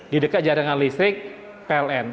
di dekat jaringan listrik pln